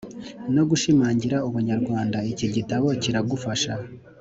no gushimangira ubunyarwanda Iki gitabo kiragufasha